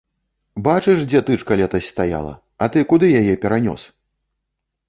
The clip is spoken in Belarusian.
Бачыш, дзе тычка летась стаяла, а ты куды яе перанёс!